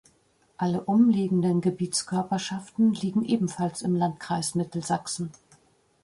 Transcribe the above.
Alle umliegenden Gebietskörperschaften liegen ebenfalls im Landkreis Mittelsachsen.